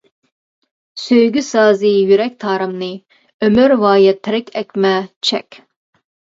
سۆيگۈ سازى، يۈرەك تارىمنى، ئۆمۈرۋايەت تەرك ئەتمە، چەك.